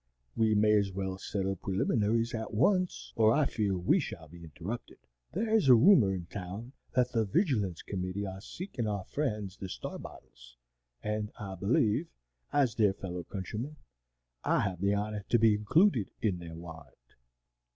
We may as well settle preliminaries at once, or I fear we shall be interrupted. There is a rumor in town that the Vigilance Committee are seeking our friends the Starbottles, and I believe, as their fellow countryman, I have the honor to be included in their warrant."